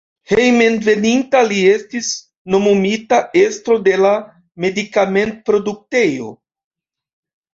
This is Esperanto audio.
Hejmenveninta li estis nomumita estro de la medikamentproduktejo.